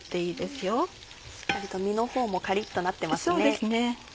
しっかりと身のほうもカリっとなってますね。